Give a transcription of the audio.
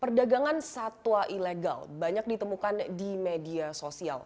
perdagangan satwa ilegal banyak ditemukan di media sosial